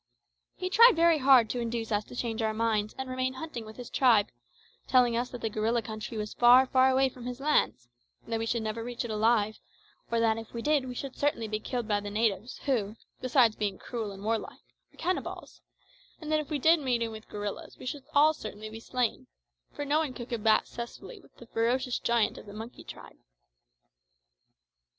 He tried very hard to induce us to change our minds and remain hunting with his tribe, telling us that the gorilla country was far far away from his lands; that we should never reach it alive, or that if we did we should certainly be killed by the natives, who, besides being cruel and warlike, were cannibals; and that if we did meet in with gorillas we should all be certainly slain, for no one could combat successfully with that ferocious giant of the monkey tribe.